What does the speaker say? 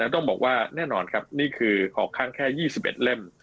ต้องบอกว่าแน่นอนครับนี่คือออกข้างแค่๒๑เล่ม